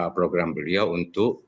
program beliau untuk